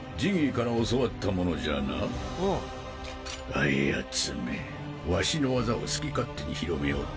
あやつめワシの技を好き勝手に広めおって。